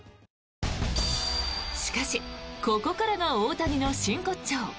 しかしここからが大谷の真骨頂。